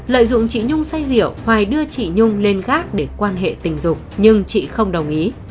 lợi dụng chị nhung say rượu hoài đưa chị nhung lên gác để quan hệ tình dục nhưng chị không đồng ý